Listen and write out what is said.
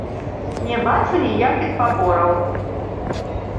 Не бачу ніякіх пабораў.